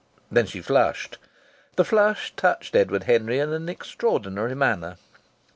Then she flushed. The flush touched Edward Henry in an extraordinary manner.